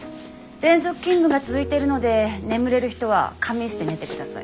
連続勤務が続いているので眠れる人は仮眠室で寝てください。